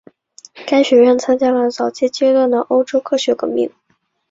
该学院参与了早期阶段的欧洲科学革命。